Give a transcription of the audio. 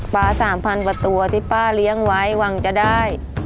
๓๐๐กว่าตัวที่ป้าเลี้ยงไว้หวังจะได้